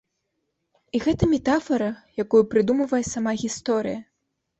І гэта метафара, якую прыдумвае сама гісторыя.